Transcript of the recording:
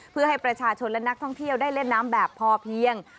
เพื่อให้ประชาชนและนักท่องเที่ยวได้เล่นน้ำแบบพอเพียง